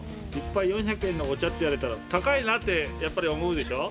１杯４００円のお茶って言われたら高いなって、やっぱり思うでしょ。